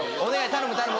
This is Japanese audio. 頼む頼む！